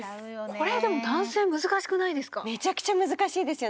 これでも男性難しくないですか？